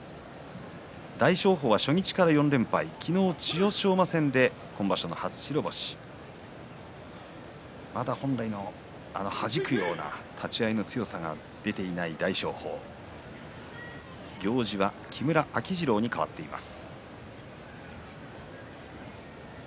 大翔鵬は初日から４連敗昨日、千代翔馬戦で今場所、初白星まだ本来のはじくような立ち合いの強さが出ていない大翔鵬行司は木村秋治郎に替わっています。